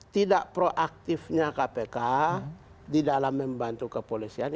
tidak proaktifnya kpk di dalam membantu kepolisian